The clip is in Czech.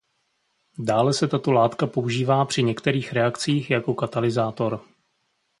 Dále se tato látka používá při některých reakcích jako katalyzátor.